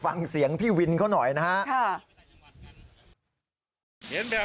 ฟังเสียงพี่วินเขาหน่อยนะครับ